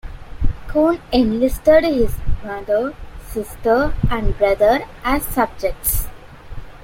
Coan enlisted his mother, sister and brother as subjects.